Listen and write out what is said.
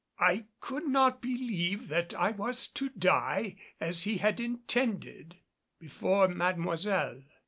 I could not believe that I was to die as he had intended before Mademoiselle.